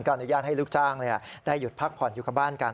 อนุญาตให้ลูกจ้างได้หยุดพักผ่อนอยู่กับบ้านกัน